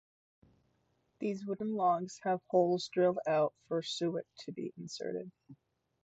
These wooden logs have holes drilled out for suet to be inserted.